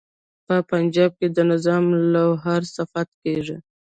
په پنجاب کې د نظام لوهار صفت کیږي.